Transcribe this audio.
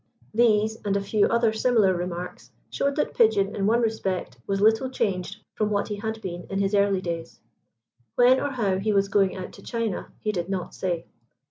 These, and a few other similar remarks, showed that Pigeon in one respect was little changed from what he had been in his early days. When or how he was going out to China he did not say.